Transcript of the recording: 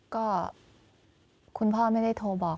ก็คุณพ่อไม่ได้โทรบอก